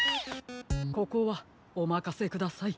ここはおまかせください。